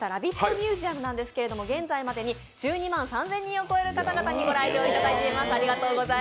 ミュージアムなんですが現在までに１２万３０００人を超える方々にご来場いただいています。